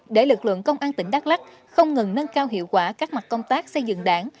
để lực lượng công an tỉnh đắk lắc không ngừng nâng cao hiệu quả các mặt công tác xây dựng đảng